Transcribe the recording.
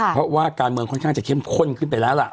เพราะว่าการเมืองค่อนข้างจะเข้มข้นขึ้นไปแล้วล่ะ